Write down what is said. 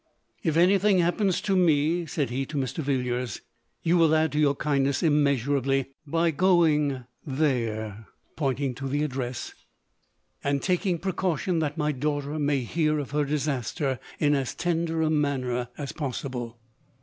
"If any thing happens to me," said he to Mr. Villiers, " you will add to your kindness immeasurably by going there," — pointing to the address, — "and LODORE. 26*5 taking precaution that mv daughter may hear of her disaster in as tender a manner as pos sible."